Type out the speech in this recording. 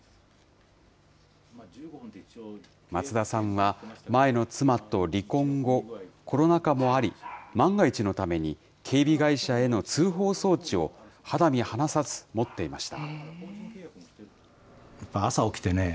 松田さんは前の妻と離婚後、コロナ禍もあり、万が一のために、警備会社への通報装置を、肌身離さず持っていました。